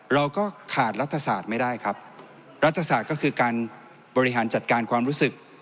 เราก็ขาดรัฐศาสตร์ไม่ได้ครับรัฐศาสตร์ก็คือการบริหารจัดการความรู้สึก